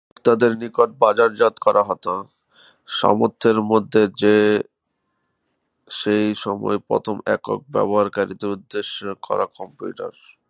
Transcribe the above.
এগুলো ভোক্তাদের নিকট বাজারজাত করা হত সামর্থ্যের মধ্যে যা সেই সময়ের প্রথম একক ব্যবহারকারীদের উদ্দেশ্য করা কম্পিউটার।